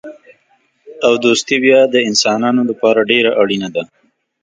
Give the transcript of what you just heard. او دوستي بیا د انسانانو لپاره ډېره اړینه ده.